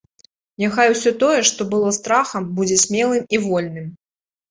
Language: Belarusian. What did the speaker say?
Няхай усё тое, што было страхам, будзе смелым і вольным.